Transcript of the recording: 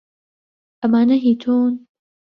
ئەمانە هیی تۆن؟